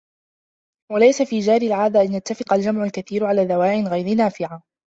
وَلَيْسَ فِي جَارِي الْعَادَةِ أَنْ يَتَّفِقَ الْجَمْعُ الْكَثِيرُ عَلَى دَوَاعٍ غَيْرِ نَافِعَةٍ